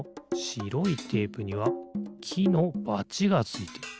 しろいテープにはきのバチがついてる。